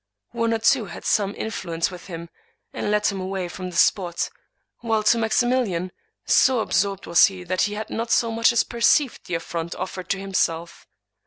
One or two had some influence with him, and led him away from the spot; while as to Maximilian, so absorbed was he that he had not so much as perceived the affront offered to himself.